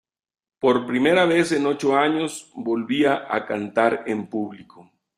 Por primera vez en ocho años volvía a cantar en público.